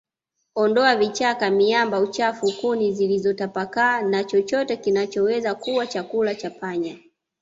Ondoa vichaka miamba uchafu kuni zilizotapakaa na chochote kinachoweza kuwa chakula cha panya